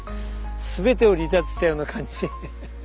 全てを離脱したような感じ。